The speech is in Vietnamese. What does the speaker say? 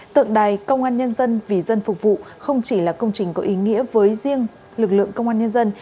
tượng đài công an nhân dân vì dân phục vụ không chỉ là công trình có ý nghĩa với riêng lực lượng công an nhân dân